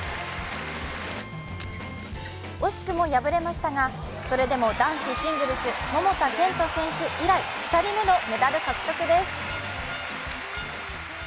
惜しくも敗れましたが、それでも男子シングルス・桃田賢斗選手以来、２人目のメダル獲得です。